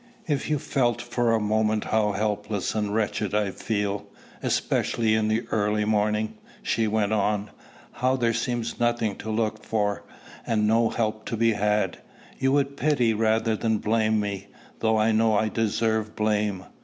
"If you felt for a moment how helpless and wretched I feel, especially in the early morning," she went on; "how there seems nothing to look for, and no help to be had, you would pity rather than blame me, though I know I deserve blame.